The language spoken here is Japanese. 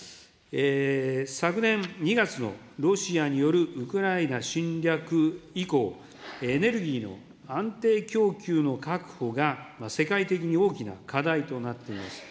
昨年２月のロシアによるウクライナ侵略以降、エネルギーの安定供給の確保が世界的に大きな課題となっています。